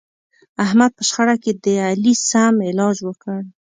احمد په شخړه کې د علي سم علاج وکړ.